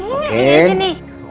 oke ini di sini